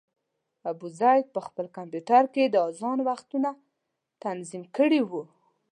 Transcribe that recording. ابوزید په خپل کمپیوټر کې د اذان وختونه تنظیم کړي وو.